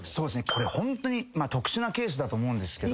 これホントに特殊なケースだと思うんですけど。